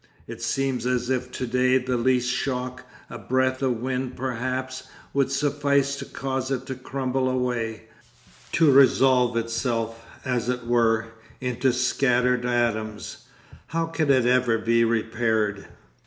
It seems as if to day the least shock, a breath of wind perhaps, would suffice to cause it to crumble away, to resolve itself, as it were, into scattered atoms. How can it ever be repaired?